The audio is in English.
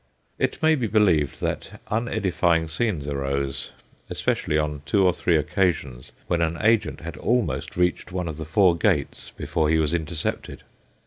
It may be believed that unedifying scenes arose especially on two or three occasions when an agent had almost reached one of the four gates before he was intercepted.